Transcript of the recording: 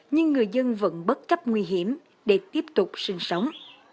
nhưng người dân vẫn bất chấp nguy hiểm để tiếp tục sinh sống